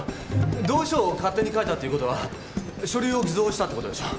同意書を勝手に書いたっていうことは書類を偽造したってことでしょ。